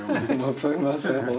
すいませんもう。